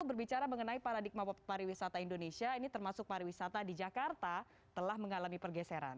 berbicara mengenai paradigma pariwisata indonesia ini termasuk pariwisata di jakarta telah mengalami pergeseran